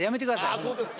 ああそうですか。